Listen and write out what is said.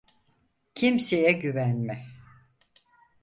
Kimseye güvenme.